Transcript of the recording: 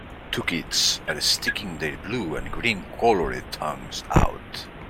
Two kids are sticking their blue and green colored tongues out.